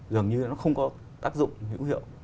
dường như nó không có tác dụng hữu hiệu